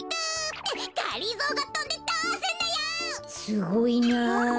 すごいなあ。